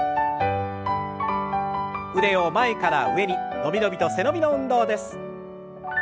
腕を前から上に伸び伸びと背伸びの運動です。